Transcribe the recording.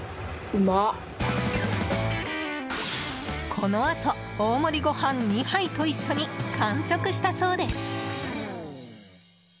このあと、大盛りご飯２杯と一緒に完食したそうです。